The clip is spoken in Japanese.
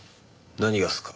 何がっすか？